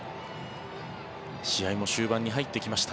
試合も終盤に入ってきました。